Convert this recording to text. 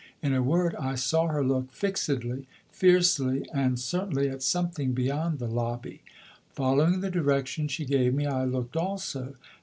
In a word, I saw her look fixedly, fiercely and certainly at something beyond the lobby. Following the direction she gave me, I looked also.